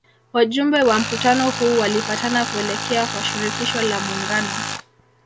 Wajumbe wa mkutano huu walipatana kuelekea kwa Shirikisho la muungano